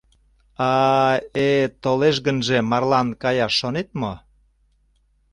А... э... толеш гынже, марлан каяш шонет мо?